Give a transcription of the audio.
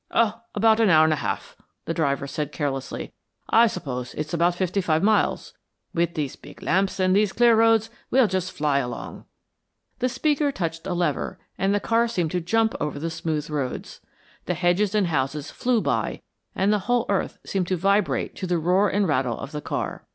"Oh, about an hour and a half," the driver said carelessly. "I suppose it is about fifty five miles. With these big lamps and these clear roads we'll just fly along." The speaker touched a lever, and the car seemed to jump over the smooth roads. The hedges and houses flew by and the whole earth seemed to vibrate to the roar and rattle of the car.